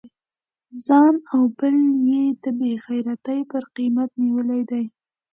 ځان او بل یې د بې غیرتی پر قیمت نیولی دی.